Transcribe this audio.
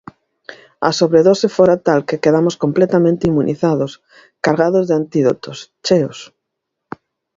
A sobredose fora tal que quedamos completamente inmunizados, cargados de antídotos, cheos.